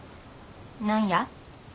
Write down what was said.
何や？